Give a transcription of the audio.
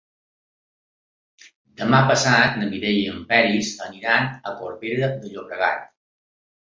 Demà passat na Mireia i en Peris aniran a Corbera de Llobregat.